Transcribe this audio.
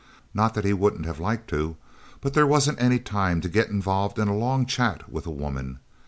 Not that he wouldn't have liked to. But there wasn't any time to get involved in a long chat with a woman...